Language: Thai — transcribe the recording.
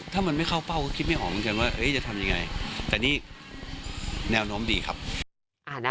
ถ้ามันไม่เข้าเป้าก็คิดไม่หอมเหมือนกันว่า